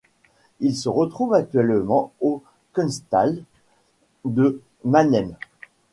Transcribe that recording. Il se trouve actuellement au Kunsthalle de Mannheim.